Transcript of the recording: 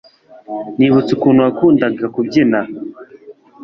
nibutse ukuntu wakundaga kubyina